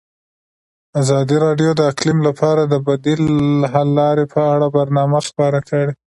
ازادي راډیو د اقلیم لپاره د بدیل حل لارې په اړه برنامه خپاره کړې.